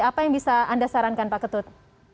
apa yang bisa anda sarankan pak ketut